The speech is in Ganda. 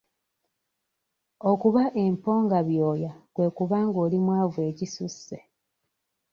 Okuba emponga byooya kwe kuba nga oli mwavu ekisusse.